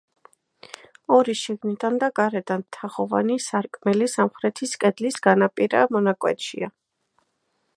ორი შიგნიდან და გარედან თაღოვანი სარკმელი სამხრეთის კედლის განაპირა მონაკვეთშია.